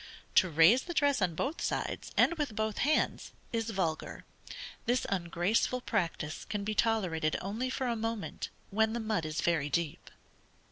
To raise the dress on both sides, and with both hands, is vulgar. This ungraceful practice can be tolerated only for a moment, when the mud is very deep.